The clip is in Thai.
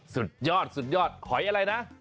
สุดยอดหอยแบบว่าอะไรนะ